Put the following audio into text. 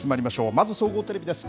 まず総合テレビです。